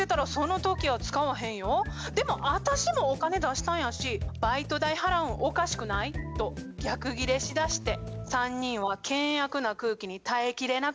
私もお金出したんやしバイト代払うんおかしくない？」と逆ギレしだして３人は険悪な空気に耐えきれなくなって泣きだしちゃいました。